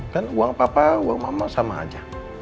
kan uang papa uang mama sama aja